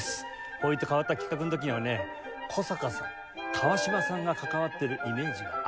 こういった変わった企画の時にはね古坂さん川島さんが関わってるイメージがありますよね。